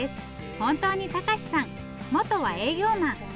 本当に隆史さん元は営業マン。